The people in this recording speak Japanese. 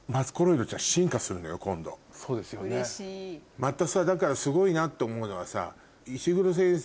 またさだからすごいなって思うのはさ石黒先生